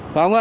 phải không ạ